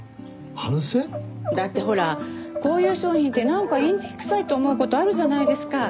だってほらこういう商品ってなんかインチキくさいって思う事あるじゃないですか。